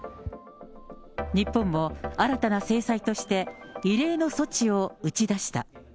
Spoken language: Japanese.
日本も新たな制裁として異例の措置を打ち出した。